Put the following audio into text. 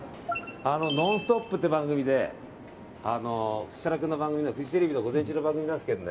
「ノンストップ！」という番組で設楽君のフジテレビの午前中の番組なんですけど。